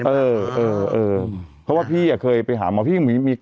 เพราะว่าพี่เคยไปหาหมอ